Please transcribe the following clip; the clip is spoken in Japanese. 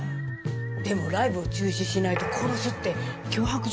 でもライブを中止しないと殺すって脅迫状が来たんでしょ？